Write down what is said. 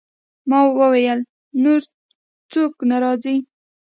ما وویل: نور څوک نه راځي؟